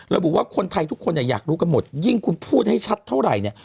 ระบุว่าคนไทยทุกคนเนี่ยอยากรู้กันหมดยิ่งคุณพูดให้ชัดเท่าไหร่เนี่ย